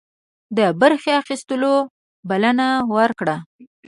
د برخي اخیستلو بلنه ورکړه.